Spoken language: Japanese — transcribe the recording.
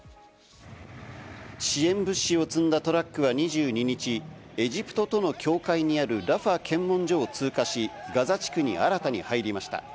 支援物資を積んだトラックは２２日、エジプトとの境界にあるラファ検問所を通過し、ガザ地区に新たに入りました。